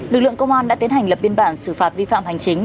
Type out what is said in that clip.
lực lượng công an đã tiến hành lập biên bản xử phạt vi phạm hành chính